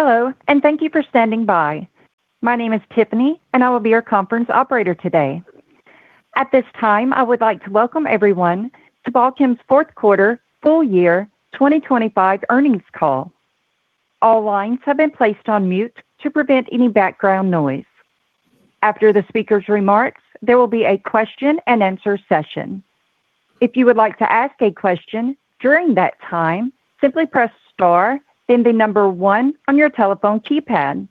Hello, and thank you for standing by. My name is Tiffany, and I will be your conference operator today. At this time, I would like to welcome everyone to Balchem's Q4, full year, 2025 earnings call. All lines have been placed on mute to prevent any background noise. After the speaker's remarks, there will be a question and answer session. If you would like to ask a question during that time, simply press star, then the number one on your telephone keypad.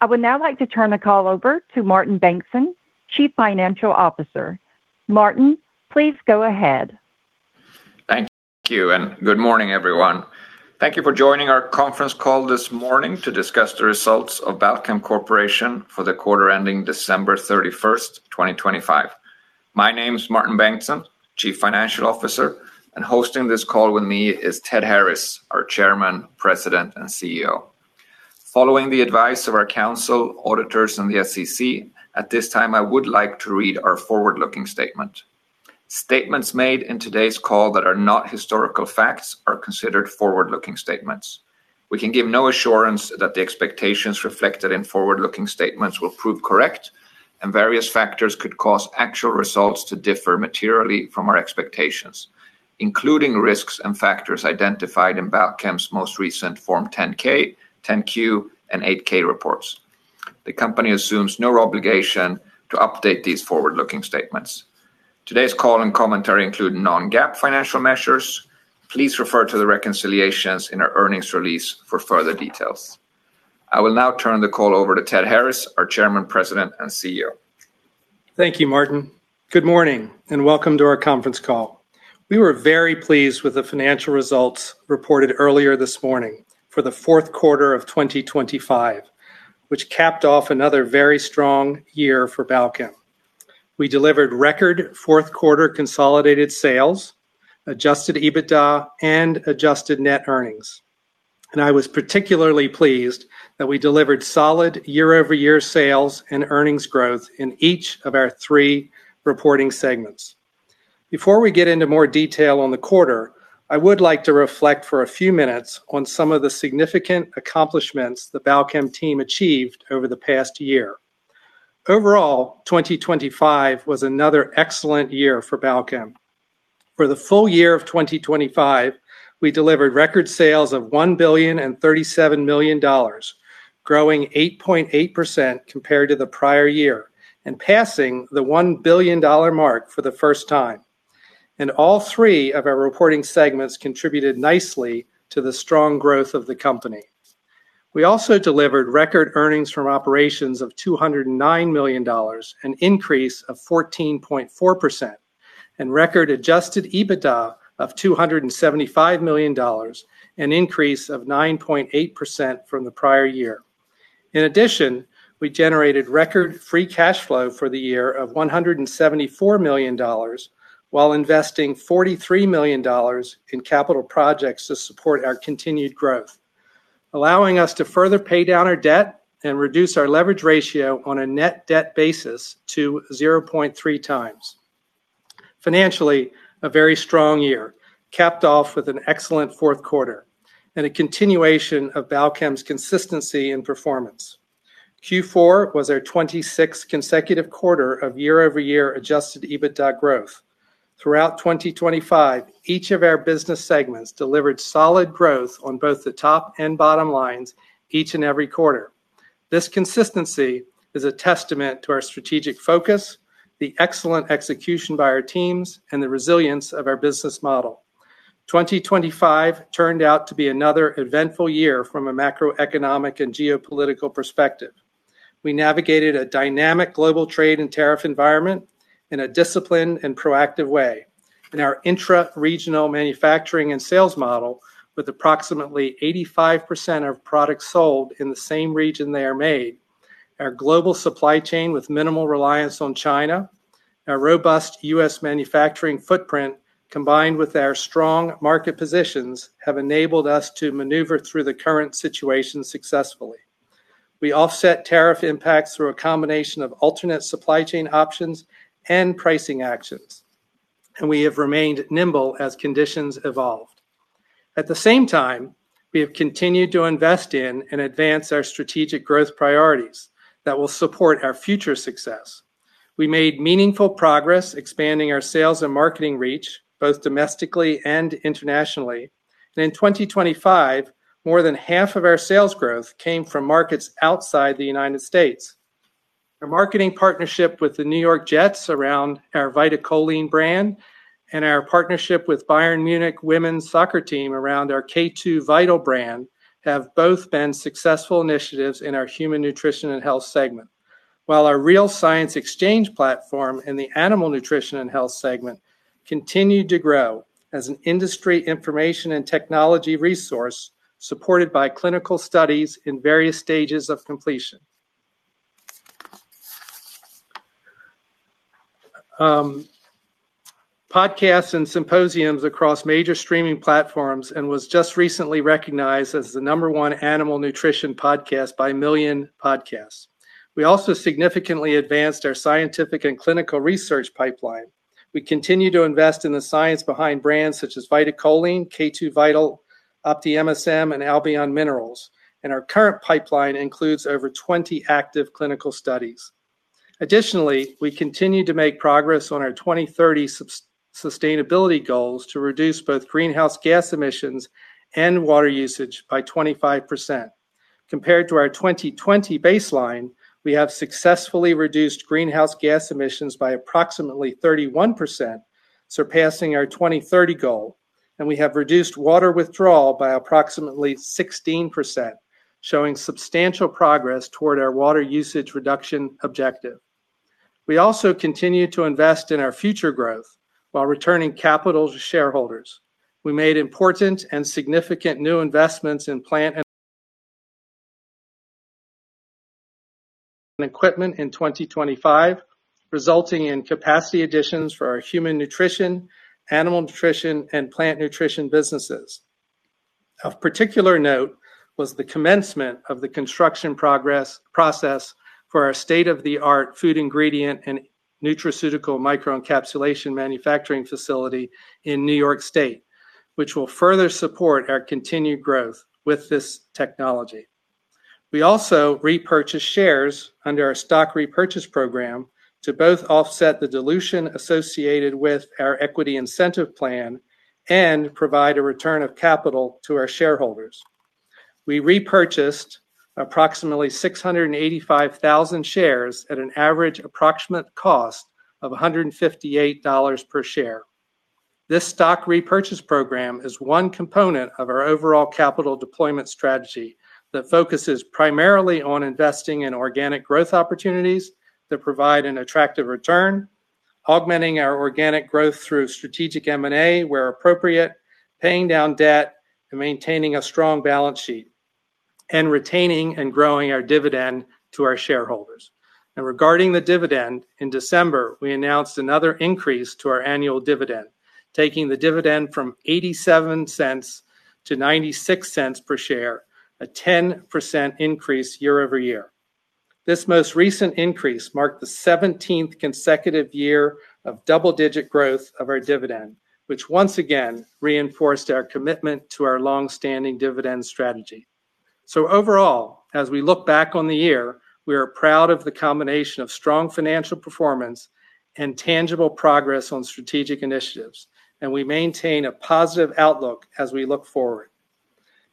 I would now like to turn the call over to Martin Bengtsson, Chief Financial Officer. Martin, please go ahead. Thank you, and good morning, everyone. Thank you for joining our conference call this morning to discuss the results of Balchem Corporation for the quarter ending December 31, 2025. My name is Martin Bengtsson, Chief Financial Officer, and hosting this call with me is Ted Harris, our Chairman, President, and CEO. Following the advice of our counsel, auditors, and the SEC, at this time, I would like to read our forward-looking statement. Statements made in today's call that are not historical facts are considered forward-looking statements. We can give no assurance that the expectations reflected in forward-looking statements will prove correct, and various factors could cause actual results to differ materially from our expectations, including risks and factors identified in Balchem's most recent Form 10-K, 10-Q, and 8-K reports. The company assumes no obligation to update these forward-looking statements. Today's call and commentary include non-GAAP financial measures. Please refer to the reconciliations in our earnings release for further details. I will now turn the call over to Ted Harris, our Chairman, President, and CEO. Thank you, Martin. Good morning, and welcome to our conference call. We were very pleased with the financial results reported earlier this morning for the Q4 of 2025, which capped off another very strong year for Balchem. We delivered record Q4 consolidated sales, Adjusted EBITDA, and adjusted net earnings. And I was particularly pleased that we delivered solid year-over-year sales and earnings growth in each of our three reporting segments. Before we get into more detail on the quarter, I would like to reflect for a few minutes on some of the significant accomplishments the Balchem team achieved over the past year. Overall, 2025 was another excellent year for Balchem. For the full year of 2025, we delivered record sales of $1.037 billion, growing 8.8% compared to the prior year, and passing the $1 billion mark for the first time. All three of our reporting segments contributed nicely to the strong growth of the company. We also delivered record earnings from operations of $209 million, an increase of 14.4%, and record Adjusted EBITDA of $275 million, an increase of 9.8% from the prior year. In addition, we generated record free cash flow for the year of $174 million, while investing $43 million in capital projects to support our continued growth, allowing us to further pay down our debt and reduce our leverage ratio on a net debt basis to 0.3 times. Financially, a very strong year, capped off with an excellent Q4 and a continuation of Balchem's consistency and performance. Q4 was our 26th consecutive quarter of year-over-year Adjusted EBITDA growth. Throughout 2025, each of our business segments delivered solid growth on both the top and bottom lines each and every quarter. This consistency is a testament to our strategic focus, the excellent execution by our teams, and the resilience of our business model. 2025 turned out to be another eventful year from a macroeconomic and geopolitical perspective. We navigated a dynamic global trade and tariff environment in a disciplined and proactive way. And our intra-regional manufacturing and sales model, with approximately 85% of products sold in the same region they are made, our global supply chain with minimal reliance on China, our robust U.S. manufacturing footprint, combined with our strong market positions, have enabled us to maneuver through the current situation successfully. We offset tariff impacts through a combination of alternate supply chain options and pricing actions, and we have remained nimble as conditions evolved. At the same time, we have continued to invest in and advance our strategic growth priorities that will support our future success. We made meaningful progress expanding our sales and marketing reach, both domestically and internationally. And in 2025, more than half of our sales growth came from markets outside the United States. Our marketing partnership with the New York Jets around our VitaCholine brand and our partnership with Bayern Munich women's soccer team around our K2VITAL brand have both been successful Human Nutrition and Health segment. while our Real Science Exchange Animal Nutrition and Health segment continued to grow as an industry information and technology resource supported by clinical studies in various stages of completion, podcasts and symposiums across major streaming platforms and was just recently recognized as the number one animal nutrition podcast by Feedspot. We also significantly advanced our scientific and clinical research pipeline.... We continue to invest in the science behind brands such as VitaCholine, K2VITAL, OptiMSM, and Albion Minerals, and our current pipeline includes over 20 active clinical studies. Additionally, we continue to make progress on our 2030 sustainability goals to reduce both greenhouse gas emissions and water usage by 25%. Compared to our 2020 baseline, we have successfully reduced greenhouse gas emissions by approximately 31%, surpassing our 2030 goal, and we have reduced water withdrawal by approximately 16%, showing substantial progress toward our water usage reduction objective. We also continue to invest in our future growth while returning capital to shareholders. We made important and significant new investments in plant and equipment in 2025, resulting in capacity additions for our human nutrition, animal nutrition, and plant nutrition businesses. Of particular note, was the commencement of the construction process for our state-of-the-art food ingredient and nutraceutical microencapsulation manufacturing facility in New York State, which will further support our continued growth with this technology. We also repurchased shares under our stock repurchase program to both offset the dilution associated with our equity incentive plan and provide a return of capital to our shareholders. We repurchased approximately 685,000 shares at an average approximate cost of $158 per share. This stock repurchase program is one component of our overall capital deployment strategy that focuses primarily on investing in organic growth opportunities that provide an attractive return, augmenting our organic growth through strategic M&A, where appropriate, paying down debt, and maintaining a strong balance sheet, and retaining and growing our dividend to our shareholders. And regarding the dividend, in December, we announced another increase to our annual dividend, taking the dividend from $0.87 to $0.96 per share, a 10% increase year-over-year. This most recent increase marked the 17th consecutive year of double-digit growth of our dividend, which once again reinforced our commitment to our long-standing dividend strategy. So overall, as we look back on the year, we are proud of the combination of strong financial performance and tangible progress on strategic initiatives, and we maintain a positive outlook as we look forward.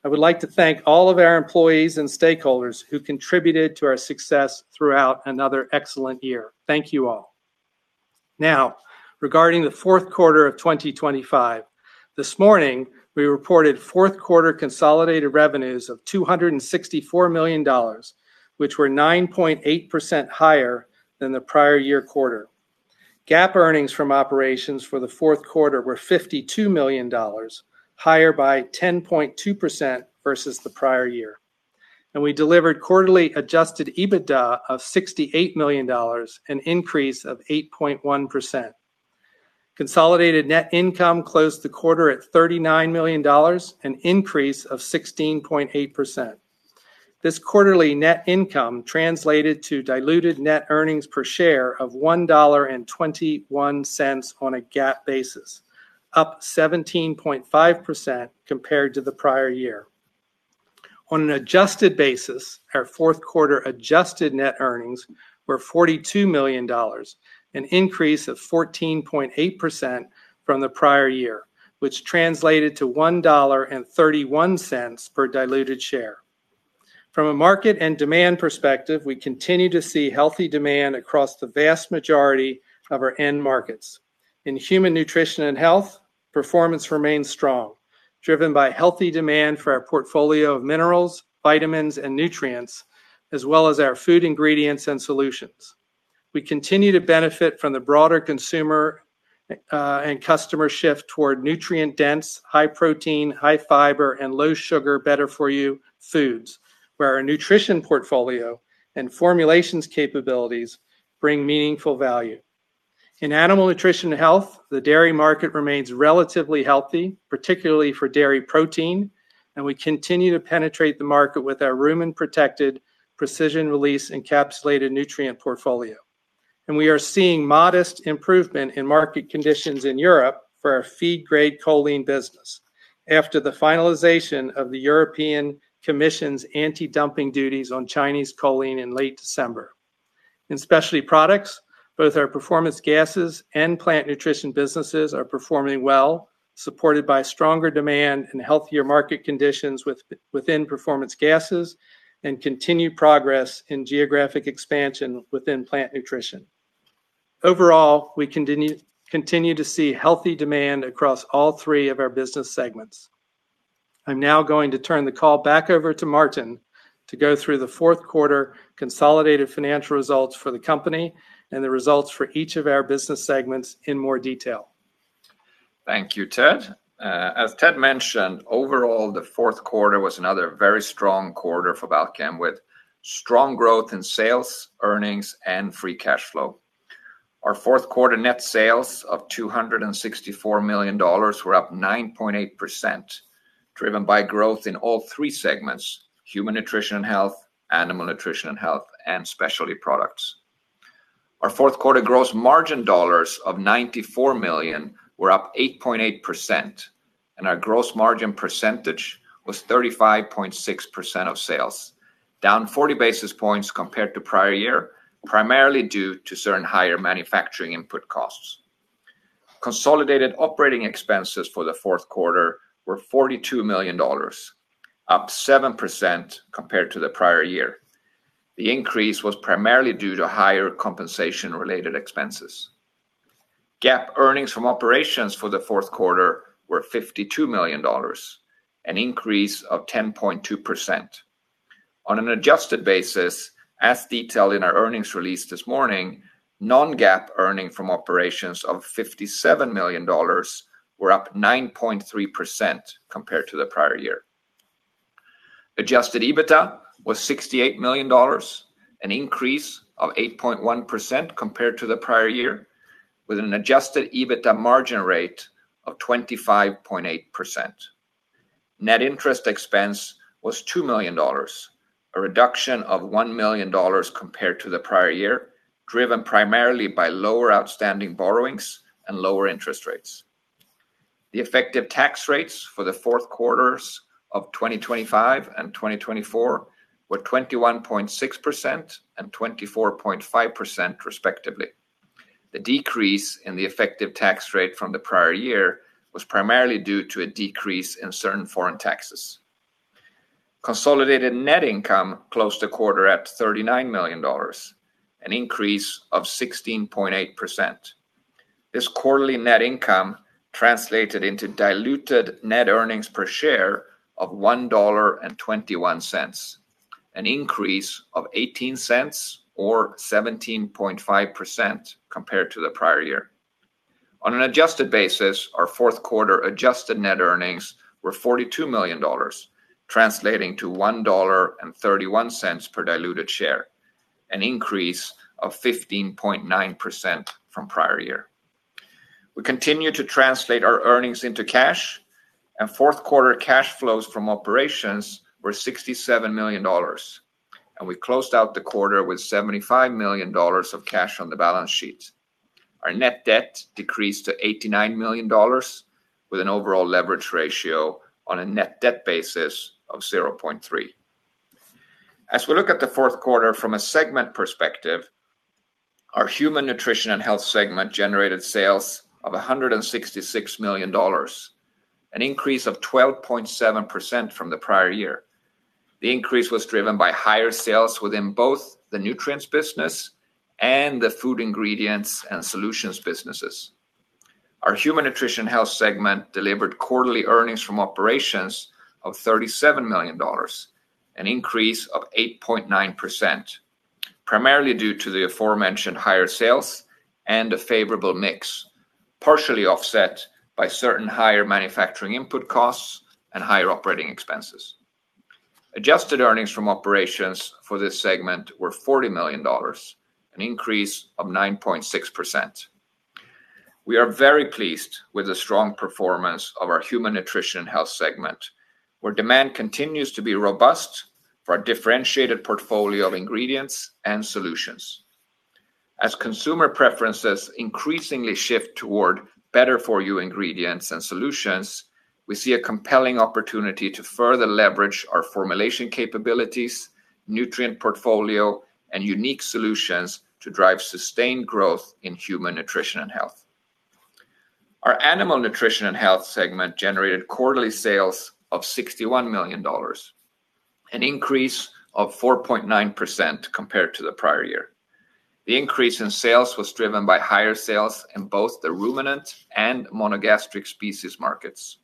I would like to thank all of our employees and stakeholders who contributed to our success throughout another excellent year. Thank you all. Now, regarding the Q4 of 2025, this morning, we reported Q4 consolidated revenues of $264 million, which were 9.8% higher than the prior year quarter. GAAP earnings from operations for the Q4 were $52 million, higher by 10.2% versus the prior year. We delivered quarterly Adjusted EBITDA of $68 million, an increase of 8.1%. Consolidated net income closed the quarter at $39 million, an increase of 16.8%. This quarterly net income translated to diluted net earnings per share of $1.21 on a GAAP basis, up 17.5% compared to the prior year. On an adjusted basis, our Q4 adjusted net earnings were $42 million, an increase of 14.8% from the prior year, which translated to $1.31 per diluted share. From a market and demand perspective, we continue to see healthy demand across the vast majority of our Human Nutrition and Health, performance remains strong, driven by healthy demand for our portfolio of minerals, vitamins, and nutrients, as well as our food ingredients and solutions. We continue to benefit from the broader consumer and customer shift toward nutrient-dense, high protein, high fiber, and low sugar, better-for-you foods, where our nutrition portfolio and formulations capabilities bring Animal Nutrition and Health, the dairy market remains relatively healthy, particularly for dairy protein, and we continue to penetrate the market with our rumen-protected, precision-release, encapsulated nutrient portfolio. We are seeing modest improvement in market conditions in Europe for our feed-grade choline business after the finalization of the European Commission's anti-dumping duties on Chinese choline in late December. In Specialty Products, both our performance gases and plant nutrition businesses are performing well, supported by stronger demand and healthier market conditions within performance gases and continued progress in geographic expansion within plant nutrition. Overall, we continue to see healthy demand across all three of our business segments. I'm now going to turn the call back over to Martin to go through the Q4 consolidated financial results for the company and the results for each of our business segments in more detail. Thank you, Ted. As Ted mentioned, overall, the Q4 was another very strong quarter for Balchem, with strong growth in sales, earnings, and free cash flow. Our Q4 net sales of $264 million were up 9.8%, driven human nutrition and health, Animal Nutrition and Health, and Specialty Products. Our Q4 gross margin dollars of $94 million were up 8.8%, and our gross margin percentage was 35.6% of sales, down 40 basis points compared to prior year, primarily due to certain higher manufacturing input costs. Consolidated operating expenses for the Q4 were $42 million, up 7% compared to the prior year. The increase was primarily due to higher compensation-related expenses. GAAP earnings from operations for the Q4 were $52 million, an increase of 10.2%. On an adjusted basis, as detailed in our earnings release this morning, non-GAAP earnings from operations of $57 million were up 9.3% compared to the prior year. Adjusted EBITDA was $68 million, an increase of 8.1% compared to the prior year, with an Adjusted EBITDA margin rate of 25.8%. Net interest expense was $2 million, a reduction of $1 million compared to the prior year, driven primarily by lower outstanding borrowings and lower interest rates. The effective tax rates for the Q4s of 2025 and 2024 were 21.6% and 24.5%, respectively. The decrease in the effective tax rate from the prior year was primarily due to a decrease in certain foreign taxes. Consolidated net income closed the quarter at $39 million, an increase of 16.8%. This quarterly net income translated into diluted net earnings per share of $1.21, an increase of 18 cents or 17.5% compared to the prior year. On an adjusted basis, our Q4 adjusted net earnings were $42 million, translating to $1.31 per diluted share, an increase of 15.9% from prior year. We continue to translate our earnings into cash, and Q4 cash flows from operations were $67 million, and we closed out the quarter with $75 million of cash on the balance sheet. Our net debt decreased to $89 million, with an overall leverage ratio on a net debt basis of 0.3. As we look at the Q4 from a segment perspective, our Human Nutrition and Health segment generated sales of $166 million, an increase of 12.7% from the prior year. The increase was driven by higher sales within both the nutrients business and the food ingredients and solutions businesses. Human Nutrition and Health segment delivered quarterly earnings from operations of $37 million, an increase of 8.9%, primarily due to the aforementioned higher sales and a favorable mix, partially offset by certain higher manufacturing input costs and higher operating expenses. Adjusted earnings from operations for this segment were $40 million, an increase of 9.6%. We are very pleased with the strong performance of our Human Nutrition and Health segment, where demand continues to be robust for a differentiated portfolio of ingredients and solutions. As consumer preferences increasingly shift toward better-for-you ingredients and solutions, we see a compelling opportunity to further leverage our formulation capabilities, nutrient portfolio, and unique solutions to drive sustained growth in Human Nutrition and Health. Our Animal Nutrition and Health segment generated quarterly sales of $61 million, an increase of 4.9% compared to the prior year. The increase in sales was driven by higher sales in both the ruminant and monogastric species markets.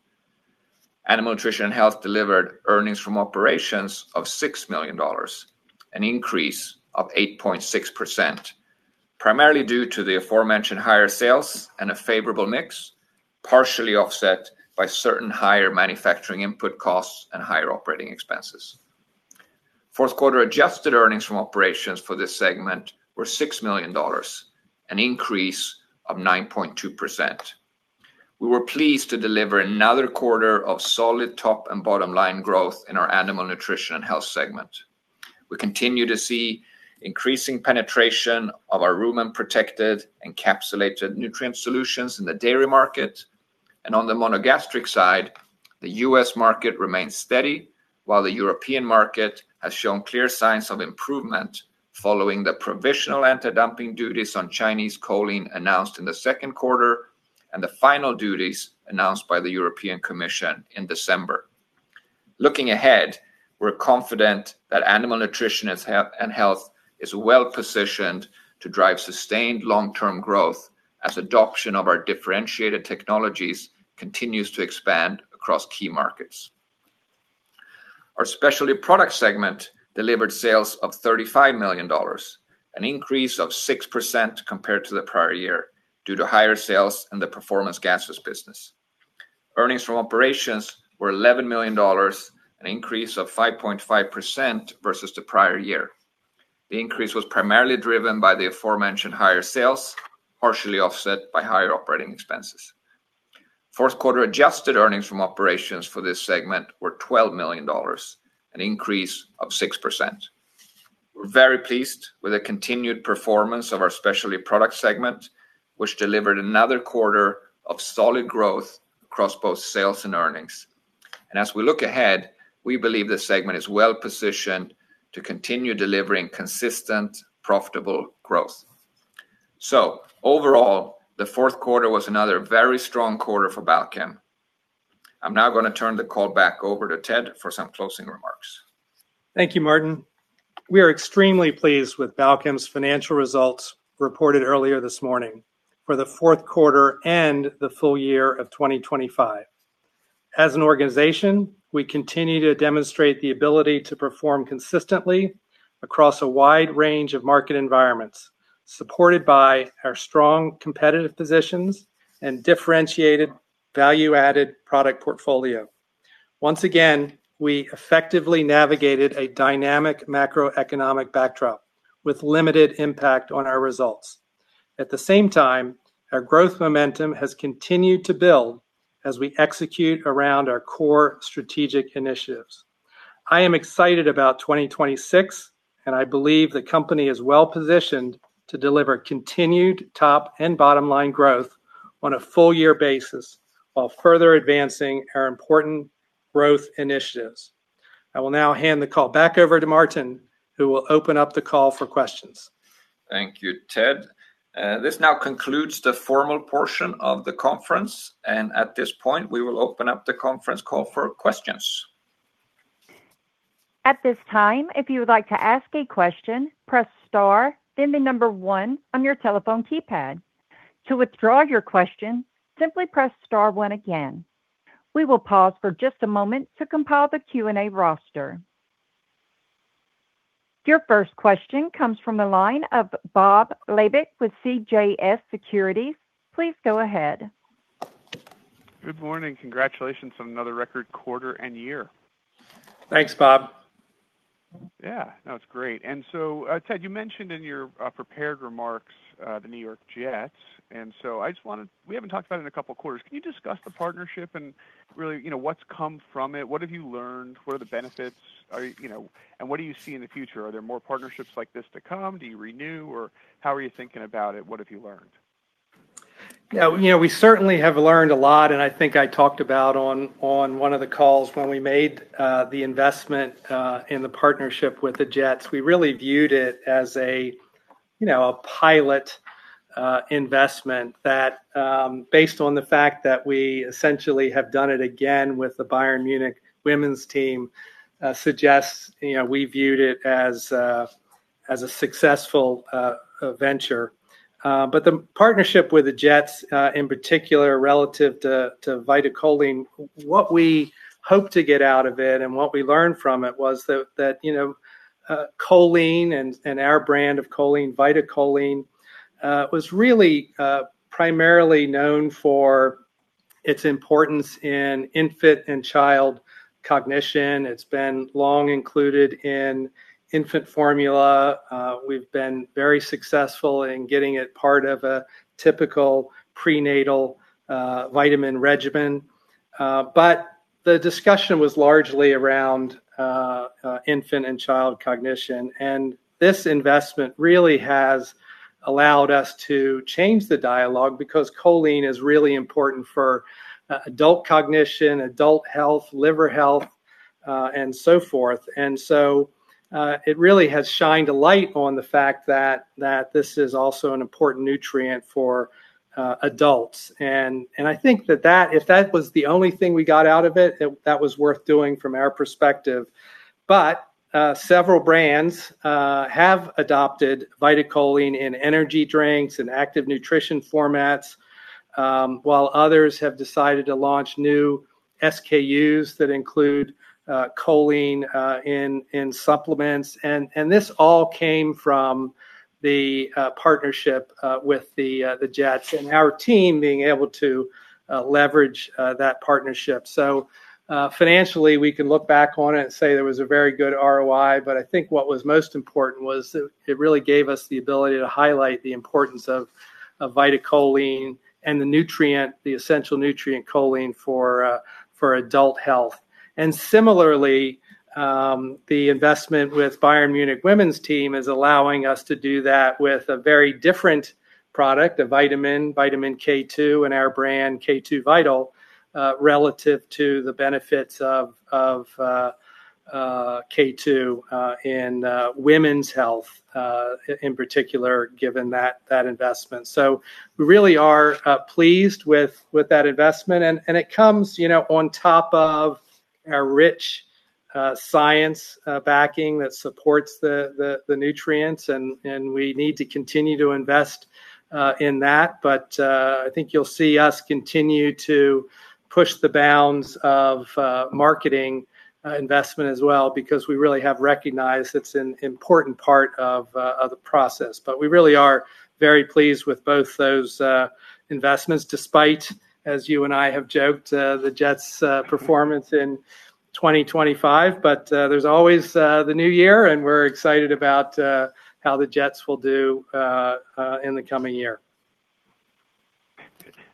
Animal Nutrition and Health delivered earnings from operations of $6 million, an increase of 8.6%, primarily due to the aforementioned higher sales and a favorable mix, partially offset by certain higher manufacturing input costs and higher operating expenses. Q4 adjusted earnings from operations for this segment were $6 million, an increase of 9.2%. We were pleased to deliver another quarter of solid top and bottom line growth in our Animal Nutrition and Health segment. We continue to see increasing penetration of our rumen-protected, encapsulated nutrient solutions in the dairy market, and on the monogastric side, the U.S. market remains steady, while the European market has shown clear signs of improvement following the provisional anti-dumping duties on Chinese choline announced in the Q2 and the final duties announced by the European Commission in December. Looking ahead, we're confident that Animal Nutrition and Health is well-positioned to drive sustained long-term growth as adoption of our differentiated technologies continues to expand across key markets. Our Specialty Product segment delivered sales of $35 million, an increase of 6% compared to the prior year, due to higher sales in the performance gases business. Earnings from operations were $11 million, an increase of 5.5% versus the prior year. The increase was primarily driven by the aforementioned higher sales, partially offset by higher operating expenses. Q4 adjusted earnings from operations for this segment were $12 million, an increase of 6%. We're very pleased with the continued performance of our Specialty Product segment, which delivered another quarter of solid growth across both sales and earnings. As we look ahead, we believe this segment is well-positioned to continue delivering consistent, profitable growth. Overall, the Q4 was another very strong quarter for Balchem. I'm now going to turn the call back over to Ted for some closing remarks. Thank you, Martin. We are extremely pleased with Balchem's financial results reported earlier this morning for the Q4 and the full year of 2025. As an organization, we continue to demonstrate the ability to perform consistently across a wide range of market environments, supported by our strong competitive positions and differentiated value-added product portfolio. Once again, we effectively navigated a dynamic macroeconomic backdrop with limited impact on our results. At the same time, our growth momentum has continued to build as we execute around our core strategic initiatives. I am excited about 2026, and I believe the company is well positioned to deliver continued top and bottom-line growth on a full year basis, while further advancing our important growth initiatives. I will now hand the call back over to Martin, who will open up the call for questions. Thank you, Ted. This now concludes the formal portion of the conference, and at this point, we will open up the conference call for questions. At this time, if you would like to ask a question, press Star, then the number one on your telephone keypad. To withdraw your question, simply press Star one again. We will pause for just a moment to compile the Q&A roster. Your first question comes from the line of Bob Labick with CJS Securities. Please go ahead. Good morning. Congratulations on another record quarter and year. Thanks, Bob. Yeah, no, it's great. And so, Ted, you mentioned in your prepared remarks the New York Jets, and so I just wanted. We haven't talked about it in a couple of quarters. Can you discuss the partnership and really, you know, what's come from it? What have you learned? What are the benefits? Are, you know... And what do you see in the future? Are there more partnerships like this to come? Do you renew, or how are you thinking about it? What have you learned? Yeah, you know, we certainly have learned a lot, and I think I talked about on one of the calls when we made the investment in the partnership with the Jets. We really viewed it as a, you know, a pilot investment that, based on the fact that we essentially have done it again with the Bayern Munich women's team, suggests, you know, we viewed it as a successful venture. But the partnership with the Jets, in particular, relative to VitaCholine, what we hoped to get out of it and what we learned from it was that you know, choline and our brand of choline, VitaCholine, was really primarily known for its importance in infant and child cognition. It's been long included in infant formula. We've been very successful in getting it part of a typical prenatal vitamin regimen. But the discussion was largely around infant and child cognition, and this investment really has allowed us to change the dialogue because choline is really important for adult cognition, adult health, liver health, and so forth. So it really has shined a light on the fact that this is also an important nutrient for adults. And I think that if that was the only thing we got out of it, that was worth doing from our perspective. But several brands have adopted VitaCholine in energy drinks and active nutrition formats, while others have decided to launch new SKUs that include choline in supplements. And this all came from the partnership with the Jets and our team being able to leverage that partnership. So, financially, we can look back on it and say there was a very good ROI, but I think what was most important was it really gave us the ability to highlight the importance of VitaCholine and the nutrient, the essential nutrient choline for adult health. And similarly, the investment with Bayern Munich women's team is allowing us to do that with a very different product, a vitamin, Vitamin K2, and our brand K2VITAL, relative to the benefits of K2 in women's health, in particular, given that investment. So we really are pleased with that investment, and it comes, you know, on top of our rich science backing that supports the nutrients, and we need to continue to invest in that. But I think you'll see us continue to push the bounds of marketing investment as well, because we really have recognized it's an important part of the process. But we really are very pleased with both those investments, despite, as you and I have joked, the Jets performance in 2025. But there's always the new year, and we're excited about how the Jets will do in the coming year.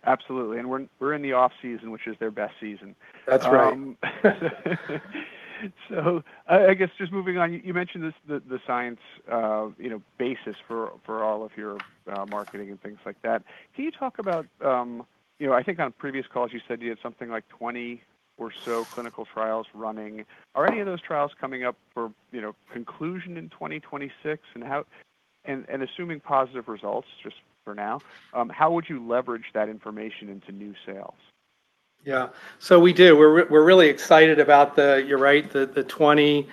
Absolutely. And we're in the off-season, which is their best season. That's right. So I guess just moving on, you mentioned this, the science, you know, basis for all of your marketing and things like that. Can you talk about, you know, I think on previous calls you said you had something like 20 or so clinical trials running. Are any of those trials coming up for, you know, conclusion in 2026? And how, and assuming positive results, just for now, how would you leverage that information into new sales? Yeah. So we do. We're really excited about the... You're right, the 20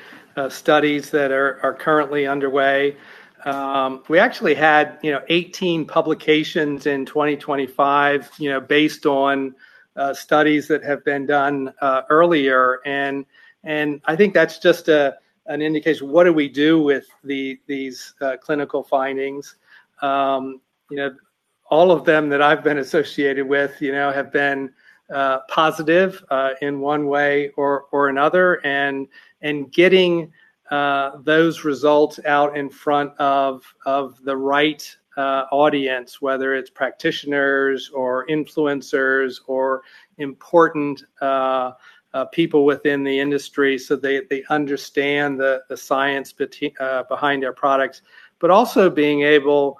studies that are currently underway. We actually had, you know, 18 publications in 2025, you know, based on studies that have been done earlier. And I think that's just an indication, what do we do with these clinical findings? You know, all of them that I've been associated with, you know, have been positive in one way or another. And getting those results out in front of the right audience, whether it's practitioners, or influencers, or important people within the industry, so they understand the science behind our products. But also being able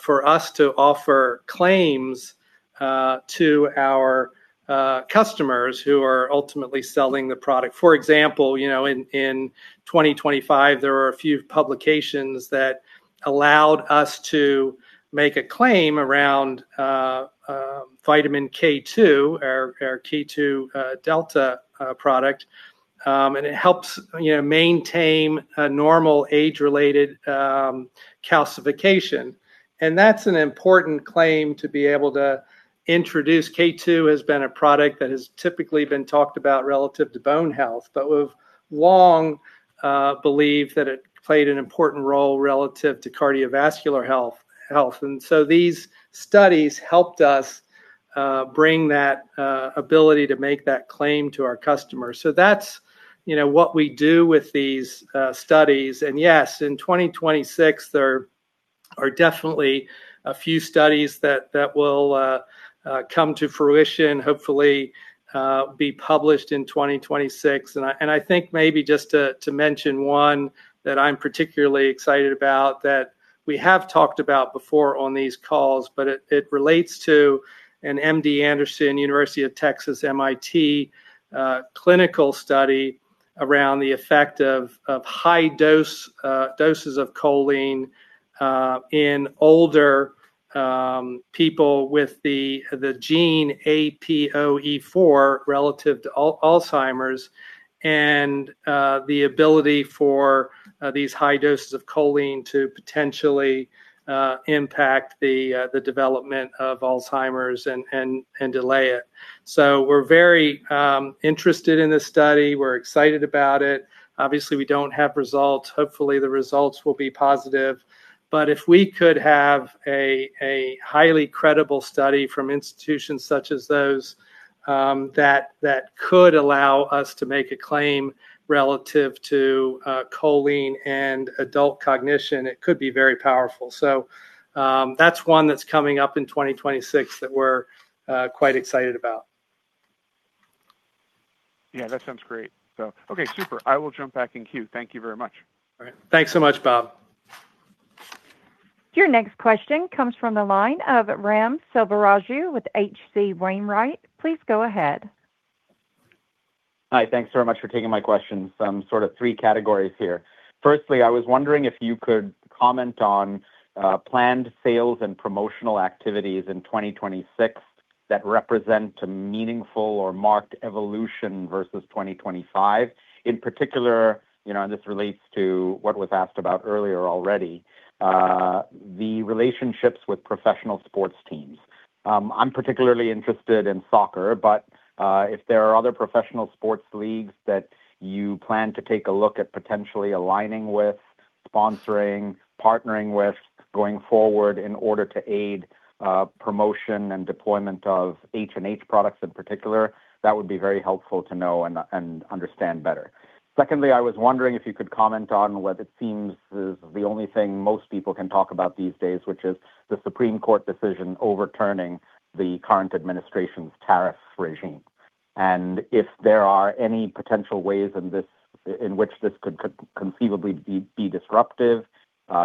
for us to offer claims to our customers who are ultimately selling the product. For example, you know, in 2025, there were a few publications that allowed us to make a claim around vitamin K2, our K2 Delta product. And it helps, you know, maintain a normal age-related calcification. And that's an important claim to be able to introduce. K2 has been a product that has typically been talked about relative to bone health, but we've long believed that it played an important role relative to cardiovascular health. And so these studies helped us bring that ability to make that claim to our customers. So that's, you know, what we do with these studies. And yes, in 2026, there are definitely a few studies that will come to fruition, hopefully be published in 2026. And I think maybe just to mention one that I'm particularly excited about, that we have talked about before on these calls, but it relates to an MD Anderson University of Texas, MIT clinical study around the effect of high dose doses of choline in older people with the gene APOE4, relative to Alzheimer's, and the ability for these high doses of choline to potentially impact the development of Alzheimer's and delay it. So we're very interested in this study. We're excited about it. Obviously, we don't have results. Hopefully, the results will be positive. But if we could have a highly credible study from institutions such as those that could allow us to make a claim relative to choline and adult cognition, it could be very powerful. So that's one that's coming up in 2026 that we're quite excited about. Yeah, that sounds great. So okay, super. I will jump back in queue. Thank you very much. All right. Thanks so much, Bob. Your next question comes from the line of Ram Selvaraju with H.C. Wainwright. Please go ahead. Hi, thanks so much for taking my question, some sort of three categories here. Firstly, I was wondering if you could comment on planned sales and promotional activities in 2026 that represent a meaningful or marked evolution versus 2025. In particular, you know, and this relates to what was asked about earlier already, the relationships with professional sports teams. I'm particularly interested in soccer, but if there are other professional sports leagues that you plan to take a look at potentially aligning with, sponsoring, partnering with, going forward in order to aid promotion and deployment of H&H products in particular, that would be very helpful to know and understand better. Secondly, I was wondering if you could comment on what it seems is the only thing most people can talk about these days, which is the Supreme Court decision overturning the current administration's tariff regime. And if there are any potential ways in this, in which this could conceivably be disruptive,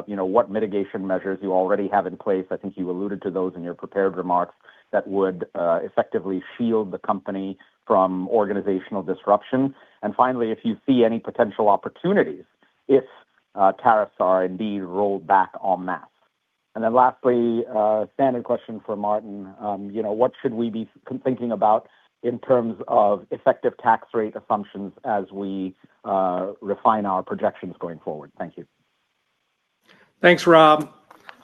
you know, what mitigation measures you already have in place? I think you alluded to those in your prepared remarks that would effectively shield the company from organizational disruption. And finally, if you see any potential opportunities, if tariffs are indeed rolled back en masse. And then lastly, standard question for Martin, you know, what should we be thinking about in terms of effective tax rate assumptions as we refine our projections going forward? Thank you. Thanks, Ram.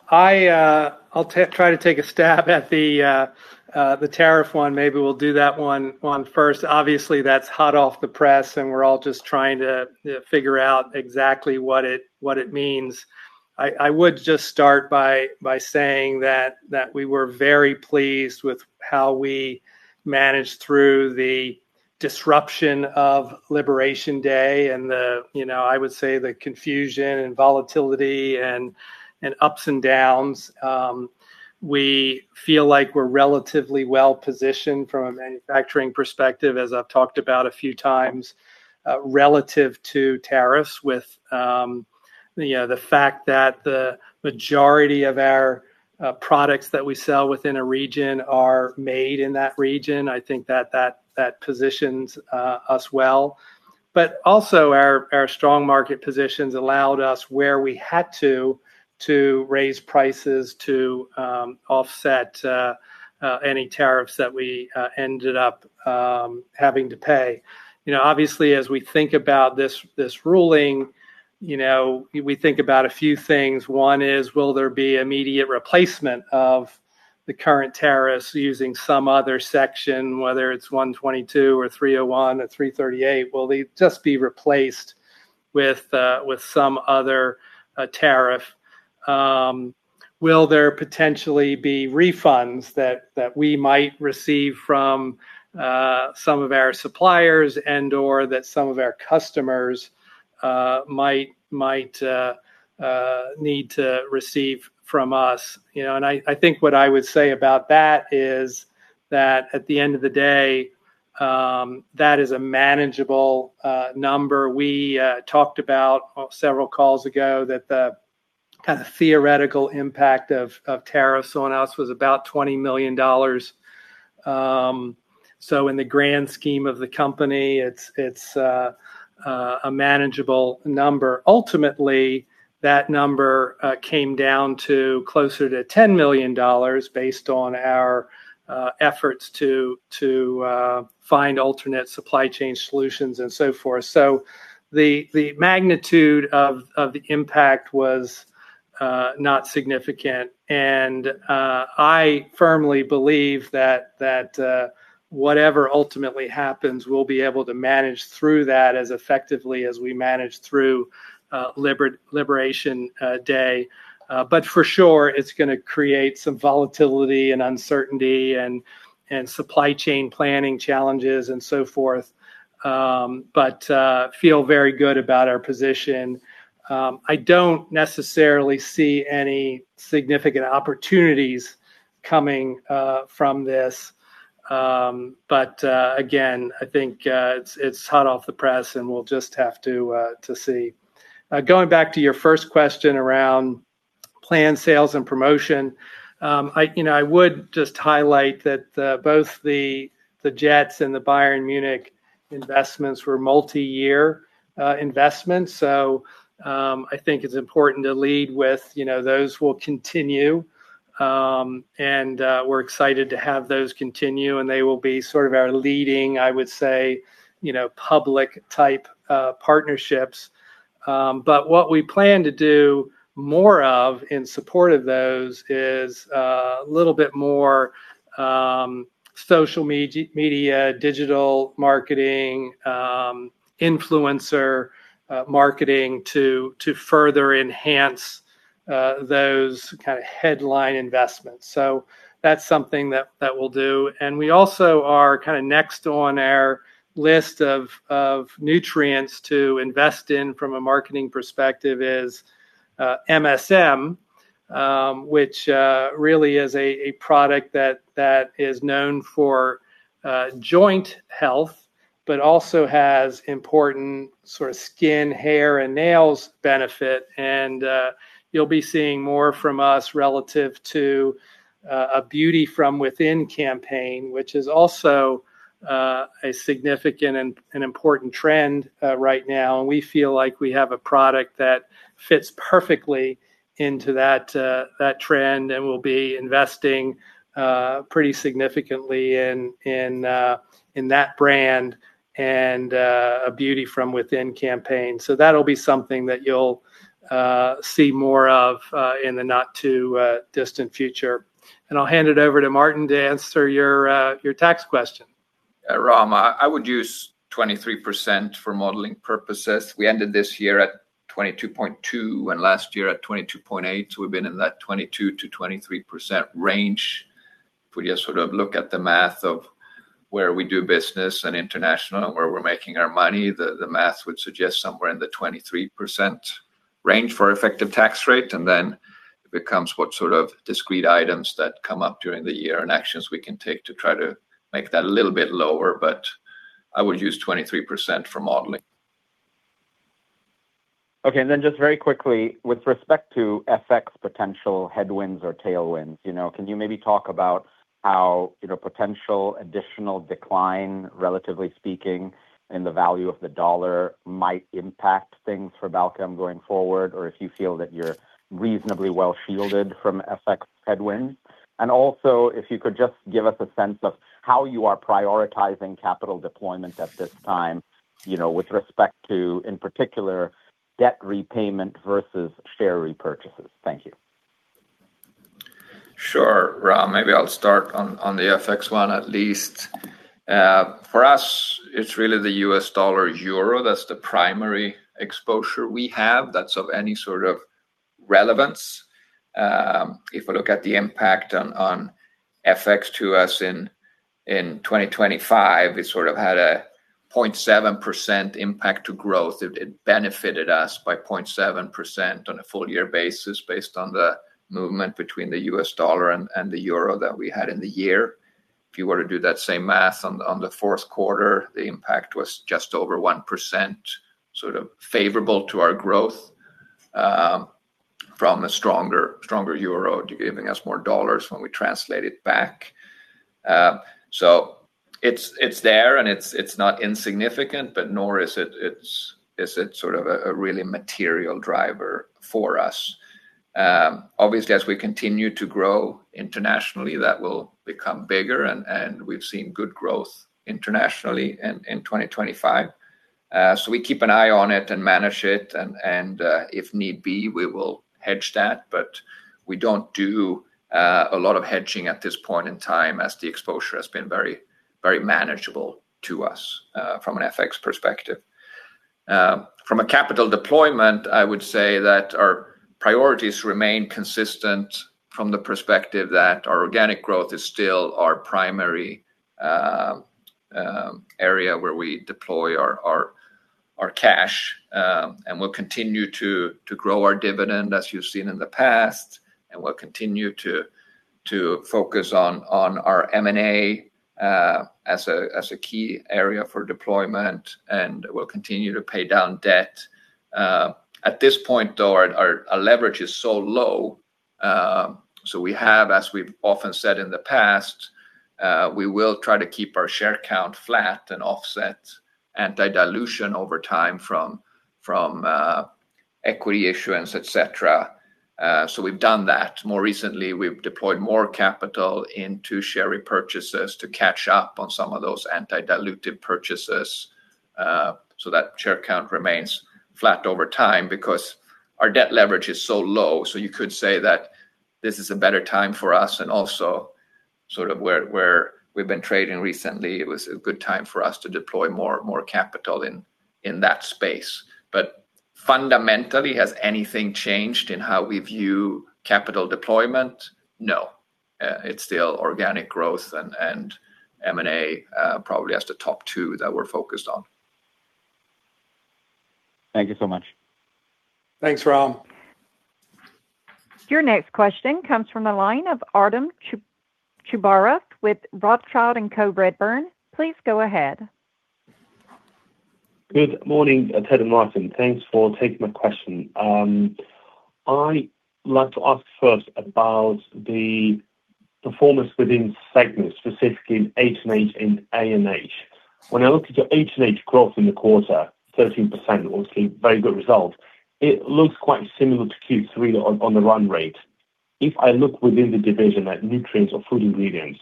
I'll try to take a stab at the tariff one. Maybe we'll do that one first. Obviously, that's hot off the press, and we're all just trying to figure out exactly what it means. I would just start by saying that we were very pleased with how we managed through the disruption of Liberation Day and the, you know, I would say the confusion and volatility and ups and downs. We feel like we're relatively well-positioned from a manufacturing perspective, as I've talked about a few times, relative to tariffs with the fact that the majority of our products that we sell within a region are made in that region. I think that positions us well. But also our strong market positions allowed us, where we had to raise prices to offset any tariffs that we ended up having to pay. You know, obviously, as we think about this ruling, you know, we think about a few things. One is, will there be immediate replacement of the current tariffs using some other section, whether it's 122 or 301 or 338? Will they just be replaced with some other tariff? Will there potentially be refunds that we might receive from some of our suppliers and/or that some of our customers might need to receive from us? You know, I think what I would say about that is that at the end of the day, that is a manageable number. We talked about on several calls ago that the kind of theoretical impact of tariffs on us was about $20 million. So in the grand scheme of the company, it's a manageable number. Ultimately, that number came down to closer to $10 million based on our efforts to find alternate supply chain solutions and so forth. So the magnitude of the impact was not significant. And I firmly believe that whatever ultimately happens, we'll be able to manage through that as effectively as we managed through Liberation Day. But for sure, it's gonna create some volatility and uncertainty and supply chain planning challenges and so forth, but feel very good about our position. I don't necessarily see any significant opportunities coming from this. But, again, I think, it's hot off the press, and we'll just have to see. Going back to your first question around planned sales and promotion, I, you know, I would just highlight that, both the, the Jets and the Bayern Munich investments were multiyear, investments. So, I think it's important to lead with, you know, those will continue. And, we're excited to have those continue, and they will be sort of our leading, I would say, you know, public type, partnerships. But what we plan to do more of in support of those is, a little bit more, social media, digital marketing, influencer, marketing, to further enhance, those kind of headline investments. So that's something that, we'll do. And we also are kind of next on our list of nutrients to invest in from a marketing perspective is MSM, which really is a product that is known for joint health, but also has important sort of skin, hair, and nails benefit. And you'll be seeing more from us relative to a beauty from within campaign, which is also a significant and an important trend right now. And we feel like we have a product that fits perfectly into that trend, and we'll be investing pretty significantly in that brand and a beauty from within campaign. So that'll be something that you'll see more of in the not too distant future. And I'll hand it over to Martin to answer your tax question. Yeah, Ram, I, I would use 23% for modeling purposes. We ended this year at 22.2, and last year at 22.8. So we've been in that 22%-23% range. If we just sort of look at the math of where we do business and international, and where we're making our money, the, the math would suggest somewhere in the 23% range for effective tax rate, and then it becomes what sort of discrete items that come up during the year and actions we can take to try to make that a little bit lower, but I would use 23% for modeling. Okay, and then just very quickly, with respect to FX potential headwinds or tailwinds, you know, can you maybe talk about how, you know, potential additional decline, relatively speaking, in the value of the dollar might impact things for Balchem going forward? Or if you feel that you're reasonably well-shielded from FX headwind? And also, if you could just give us a sense of how you are prioritizing capital deployment at this time, you know, with respect to, in particular, debt repayment versus share repurchases. Thank you. Sure, Ram. Maybe I'll start on the FX one, at least. For us, it's really the U.S. dollar/euro, that's the primary exposure we have. That's of any sort of relevance. If we look at the impact on FX to us in 2025, it sort of had a 0.7% impact to growth. It benefited us by 0.7% on a full year basis, based on the movement between the U.S. dollar and the euro that we had in the year. If you were to do that same math on the Q4, the impact was just over 1%, sort of favorable to our growth, from a stronger euro, giving us more dollars when we translate it back. So it's there, and it's not insignificant, but nor is it sort of a really material driver for us. Obviously, as we continue to grow internationally, that will become bigger, and we've seen good growth internationally in 2025. So we keep an eye on it and manage it, and if need be, we will hedge that. But we don't do a lot of hedging at this point in time, as the exposure has been very, very manageable to us from an FX perspective. From a capital deployment, I would say that our priorities remain consistent from the perspective that our organic growth is still our primary area where we deploy our cash. And we'll continue to grow our dividend, as you've seen in the past, and we'll continue to focus on our M&A, as a key area for deployment, and we'll continue to pay down debt. At this point, though, our leverage is so low, so we have, as we've often said in the past, we will try to keep our share count flat and offset anti-dilution over time from equity issuance, et cetera. So we've done that. More recently, we've deployed more capital into share repurchases to catch up on some of those anti-dilutive purchases, so that share count remains flat over time because our debt leverage is so low. So you could say that this is a better time for us and also sort of where we've been trading recently, it was a good time for us to deploy more capital in that space. But fundamentally, has anything changed in how we view capital deployment? No. It's still organic growth and M&A, probably as the top two that we're focused on. Thank you so much. Thanks, Ram. Your next question comes from the line of Artem Chubar with Rothschild & Co Redburn. Please go ahead. Good morning, Ted and Martin. Thanks for taking my question. I'd like to ask first about the performance within segments, specifically H&H and ANH. When I look at your H&H growth in the quarter, 13%, obviously very good result, it looks quite similar to Q3 on the run rate. If I look within the division at nutrients or food ingredients,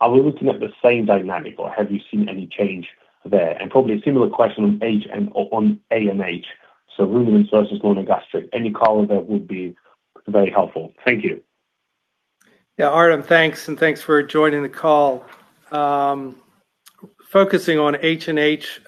are we looking at the same dynamic, or have you seen any change there? And probably a similar question on H and on ANH, so ruminant versus monogastric. Any color there would be very helpful. Thank you. Yeah, Artem, thanks, and thanks for joining the call. Focusing on H&H,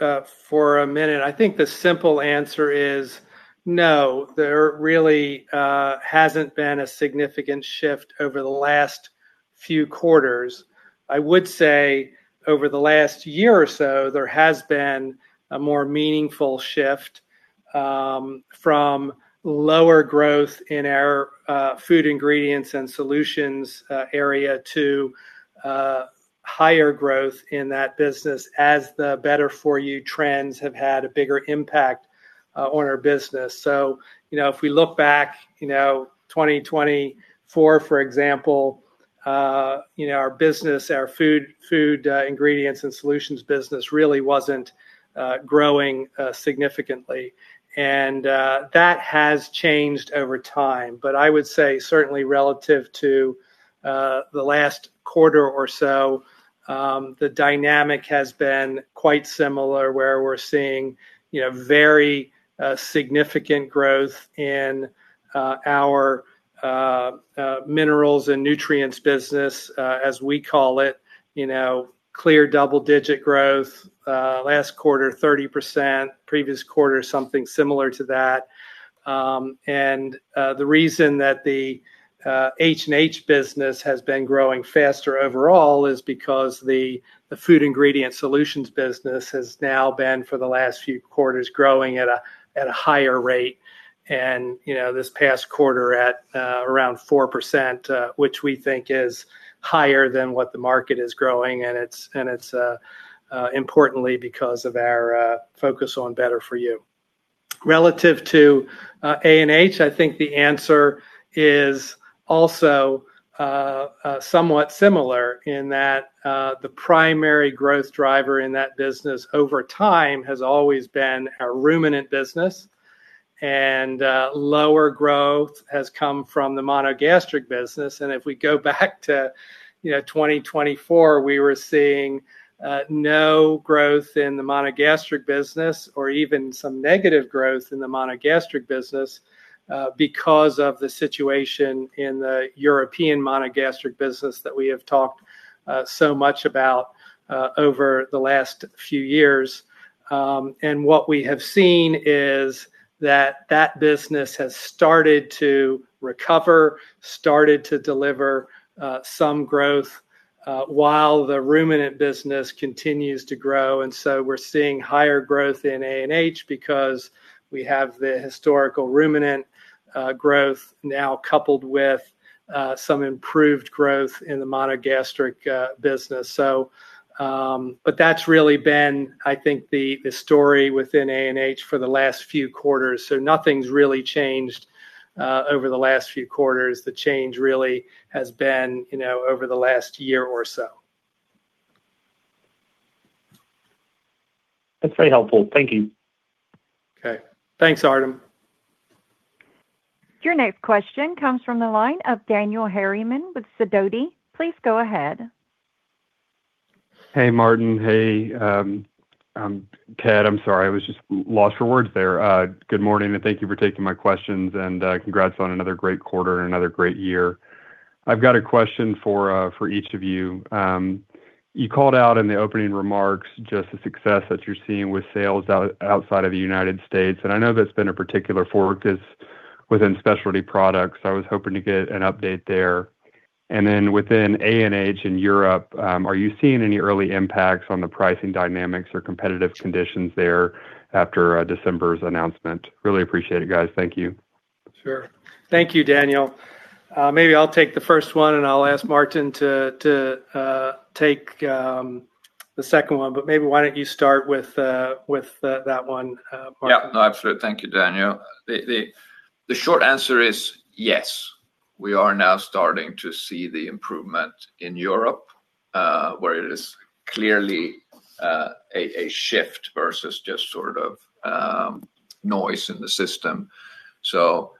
for a minute, I think the simple answer is no, there really hasn't been a significant shift over the last few quarters. I would say over the last year or so, there has been a more meaningful shift, from lower growth in our food ingredients and solutions area to higher growth in that business as the better-for-you trends have had a bigger impact on our business. So you know, if we look back, you know, 2024, for example, you know, our business, our food ingredients and solutions business really wasn't growing significantly. And that has changed over time. But I would say certainly relative to the last quarter or so, the dynamic has been quite similar, where we're seeing, you know, very significant growth in our minerals and nutrients business, as we call it. You know, clear double-digit growth last quarter, 30%, previous quarter, something similar to that. And the reason that the H&H business has been growing faster overall is because the food ingredient solutions business has now been, for the last few quarters, growing at a higher rate and, you know, this past quarter at around 4%, which we think is higher than what the market is growing, and it's importantly because of our focus on better for you. Relative to ANH, I think the answer is also somewhat similar in that the primary growth driver in that business over time has always been our ruminant business... and lower growth has come from the monogastric business. And if we go back to, you know, 2024, we were seeing no growth in the monogastric business or even some negative growth in the monogastric business because of the situation in the European monogastric business that we have talked so much about over the last few years. And what we have seen is that that business has started to recover, started to deliver some growth while the ruminant business continues to grow. And so we're seeing higher growth in ANH because we have the historical ruminant growth now coupled with some improved growth in the monogastric business. So, but that's really been, I think, the story within ANH for the last few quarters, so nothing's really changed over the last few quarters. The change really has been, you know, over the last year or so. That's very helpful. Thank you. Okay. Thanks, Artem. Your next question comes from the line of Daniel Harriman with Sidoti. Please go ahead. Hey, Martin. Hey, Ted, I'm sorry. I was just lost for words there. Good morning, and thank you for taking my questions, and congrats on another great quarter and another great year. I've got a question for each of you. You called out in the opening remarks just the success that you're seeing with sales outside of the United States, and I know that's been a particular focus within Specialty Products. I was hoping to get an update there. And then within ANH in Europe, are you seeing any early impacts on the pricing dynamics or competitive conditions there after December's announcement? Really appreciate it, guys. Thank you. Sure. Thank you, Daniel. Maybe I'll take the first one, and I'll ask Martin to take the second one, but maybe why don't you start with that one, Martin? Yeah. No, absolutely. Thank you, Daniel. The short answer is yes, we are now starting to see the improvement in Europe, where it is clearly a shift versus just sort of noise in the system. So,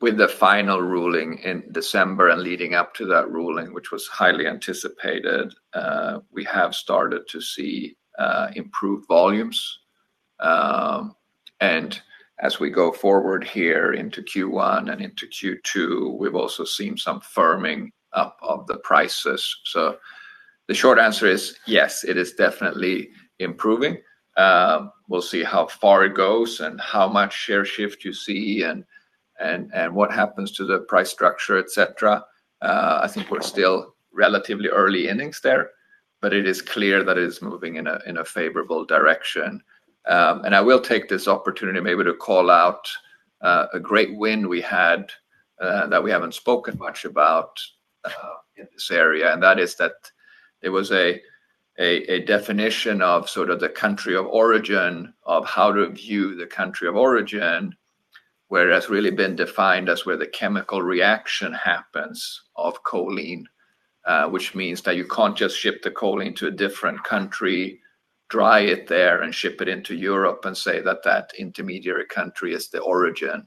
with the final ruling in December and leading up to that ruling, which was highly anticipated, we have started to see improved volumes. And as we go forward here into Q1 and into Q2, we've also seen some firming up of the prices. So the short answer is, yes, it is definitely improving. We'll see how far it goes and how much share shift you see and what happens to the price structure, et cetera. I think we're still relatively early innings there, but it is clear that it is moving in a favorable direction. And I will take this opportunity maybe to call out a great win we had that we haven't spoken much about in this area, and that is that there was a definition of sort of the country of origin, of how to view the country of origin, where it has really been defined as where the chemical reaction happens of choline. Which means that you can't just ship the choline to a different country, dry it there, and ship it into Europe and say that that intermediary country is the origin.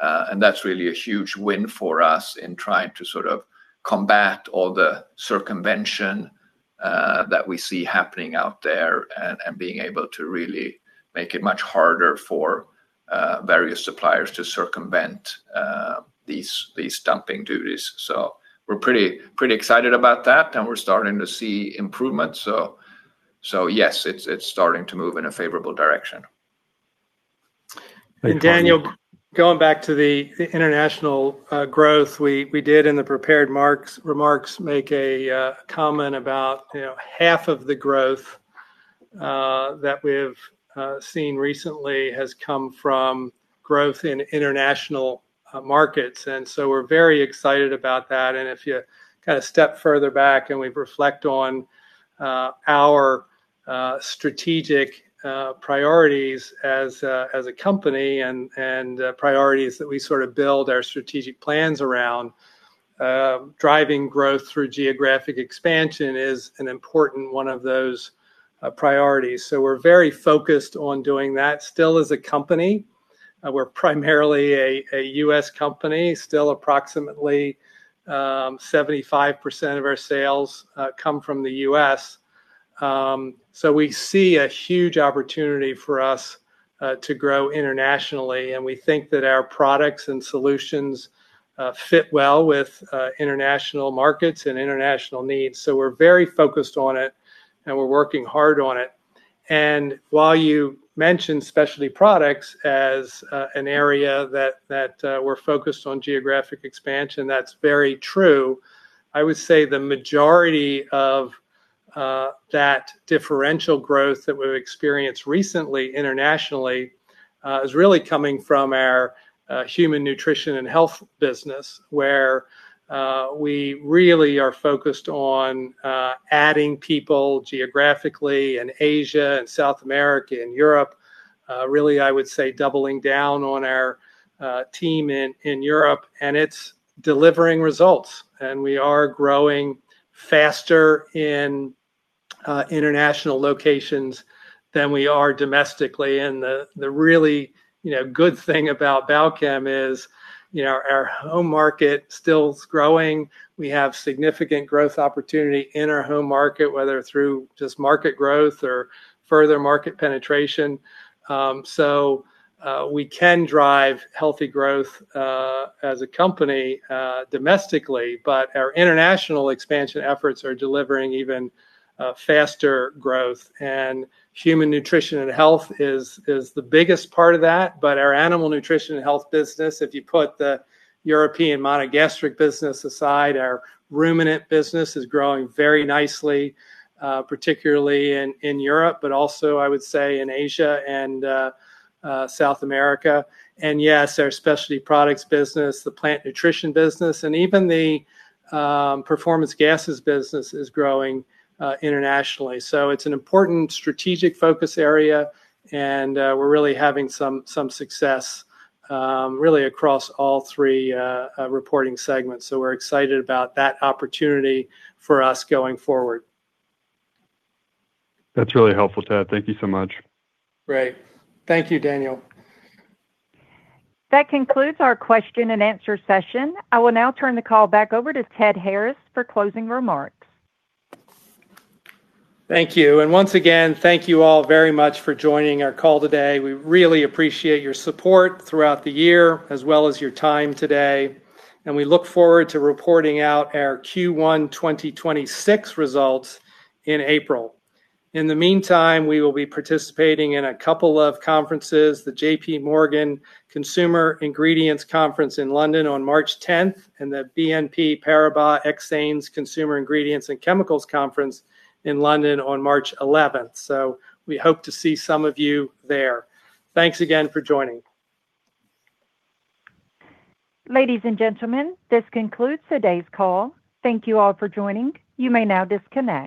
And that's really a huge win for us in trying to sort of combat all the circumvention that we see happening out there and being able to really make it much harder for various suppliers to circumvent these dumping duties. So we're pretty, pretty excited about that, and we're starting to see improvements. So, so yes, it's, it's starting to move in a favorable direction. And Daniel, going back to the international growth we did in the prepared remarks, make a comment about, you know, half of the growth that we've seen recently has come from growth in international markets. And so we're very excited about that. And if you kind of step further back and we reflect on our strategic priorities as a company and priorities that we sort of build our strategic plans around, driving growth through geographic expansion is an important one of those priorities. So we're very focused on doing that. Still, as a company, we're primarily a U.S. company. Still, approximately 75% of our sales come from the U.S. So we see a huge opportunity for us to grow internationally, and we think that our products and solutions fit well with international markets and international needs. So we're very focused on it, and we're working hard on it. And while you mentioned Specialty Products as an area that we're focused on geographic expansion, that's very true. I would say the majority of that differential growth that we've experienced recently internationally is really coming from our Human Nutrition and Health business, where we really are focused on adding people geographically in Asia and South America and Europe. Really, I would say, doubling down on our team in Europe, and it's delivering results. And we are growing faster in international locations than we are domestically. The really, you know, good thing about Balchem is, you know, our home market still is growing. We have significant growth opportunity in our home market, whether through just market growth or further market penetration. So we can drive healthy growth as a company domestically, but our international expansion efforts are delivering even faster growth. Human Nutrition and Health is the biggest part of that, but our Animal Nutrition and Health business, if you put the European monogastric business aside, our ruminant business is growing very nicely, particularly in Europe, but also I would say in Asia and South America. Yes, our Specialty Products business, the plant nutrition business, and even the performance gases business is growing internationally. So it's an important strategic focus area, and we're really having some success really across all three reporting segments. So we're excited about that opportunity for us going forward. That's really helpful, Ted. Thank you so much. Great. Thank you, Daniel. That concludes our question and answer session. I will now turn the call back over to Ted Harris for closing remarks. Thank you. Once again, thank you all very much for joining our call today. We really appreciate your support throughout the year, as well as your time today, and we look forward to reporting out our Q1 2026 results in April. In the meantime, we will be participating in a couple of conferences: the J.P. Morgan Consumer Ingredients Conference in London on March 10th, and the BNP Paribas Exane's Consumer Ingredients and Chemicals Conference in London on March 11th. We hope to see some of you there. Thanks again for joining. Ladies and gentlemen, this concludes today's call. Thank you all for joining. You may now disconnect.